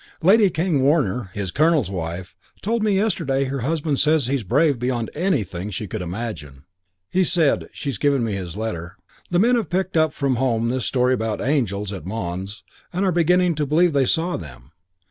Lady King Warner, his colonel's wife, told me yesterday her husband says he's brave beyond anything she could imagine. He said she's given me his letter 'the men have picked up from home this story about angels at Mons and are beginning to believe they saw them.